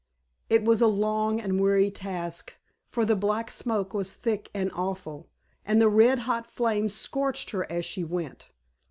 It was a long and weary task, for the black smoke was thick and awful, and the red hot flames scorched her as she went.